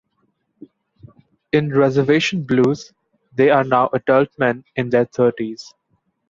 In "Reservation Blues" they are now adult men in their thirties.